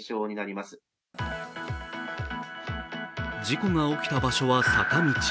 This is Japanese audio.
事故が起きた場所は坂道。